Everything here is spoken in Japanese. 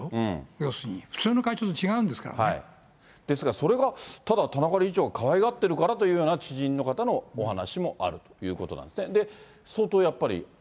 要するに、ですから、それがただ田中理事長がかわいがってるからというような知人の方のお話もあるということなんですね。